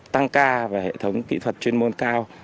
tăng ca về hệ thống kỹ thuật chuyên môn cao